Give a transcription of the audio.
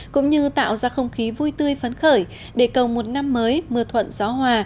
cũng như tạo ra không khí vui tươi phấn khởi để cầu một năm mới mưa thuận gió hòa